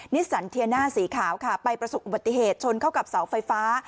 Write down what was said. นิสสันเทียน่าสีขาวค่ะไปประสบอุบัติเหตุชนเข้ากับเสาไฟฟ้า